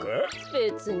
べつに。